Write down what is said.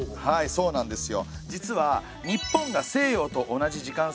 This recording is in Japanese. そうなんですよ。